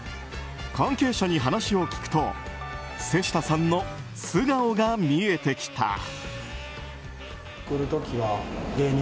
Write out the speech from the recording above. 関係者に話を聞くと瀬下さんの素顔が見えてきた。